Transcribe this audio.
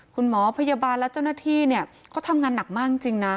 คุณหมอพยาบาลและเจ้าหน้าที่เนี่ยเขาทำงานหนักมากจริงนะ